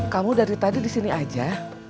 kamu dari tadi di sini aja